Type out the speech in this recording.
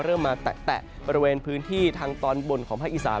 เริ่มมาแตะบริเวณพื้นที่ทางตอนบนของภาคอีสาน